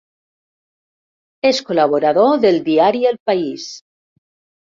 És col·laborador del diari El País.